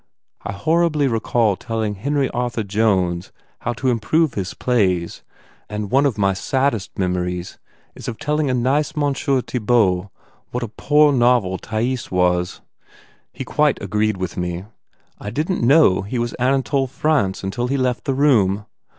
I horribly recall telling Henry Arthur Jones how to improve his plays and one of my saddest memories is of telling a nice Monsieur Thibault what a poor novel Thais was. He quite agreed with me. I didn t know he was Anatole France until he left the room.